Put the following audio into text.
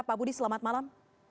pak budi selamat malam